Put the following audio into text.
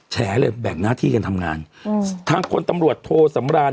แฉเลยแบ่งหน้าที่กันทำงานอืมทางพลตำรวจโทสำราน